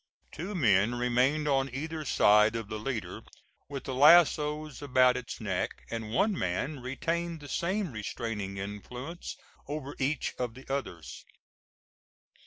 Two men remained on either side of the leader, with the lassos about its neck, and one man retained the same restraining influence over each of the others.